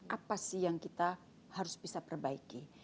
apa sih yang kita harus bisa perbaiki